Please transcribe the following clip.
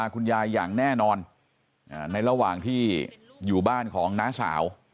คุณยายอย่างแน่นอนในระหว่างที่อยู่บ้านของน้าสาว